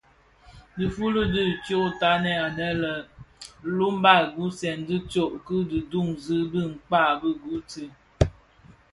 Difuli dü dyotanè anë lè luba gubsèn dhi tsog ki dunzi bi dhikpää di Guthrie.